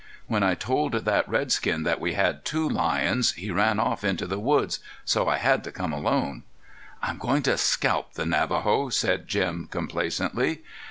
When I told that redskin that we had two lions, he ran off into the woods, so I had to come alone." "I'm going to scalp the Navajo," said Jim, complacently.